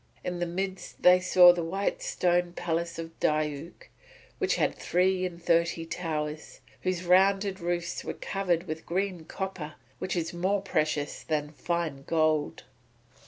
In the midst they saw the white stone palace of Diuk, which had three and thirty towers, whose rounded roofs were covered with green copper which is more precious than fine gold.